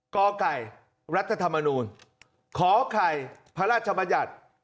กไก่รัฐธรรมนูลขอไข่พระราชบัญญัติ